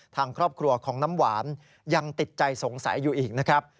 ทางครอบครัวของน้ำหวานยังติดใจสงสัยอยู่อีกนะครับ